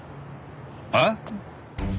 えっ！？